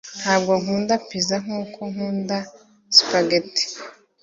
Ntabwo nkunda pizza nkuko nkunda spaghetti